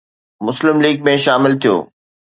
مسلم ليگ ۾ شامل ٿيو